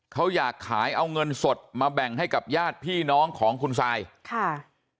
เขาอยากขายเอาเงินสดมาแบ่งให้กับญาติพี่น้องของคุณซายค่ะ